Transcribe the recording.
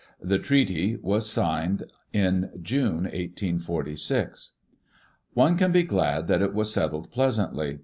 The treaty was signed in June, 1846. One can be glad that it was settled pleasantly.